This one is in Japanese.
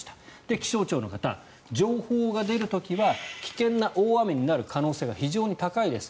気象庁の方、情報が出る時は危険な大雨になる可能性が非常に高いです。